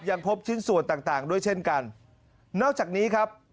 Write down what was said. ยังพบชิ้นส่วนต่างต่างด้วยเช่นกันนอกจากนี้ครับ